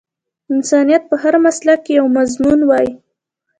انسانيت په هر مسلک کې یو مضمون وای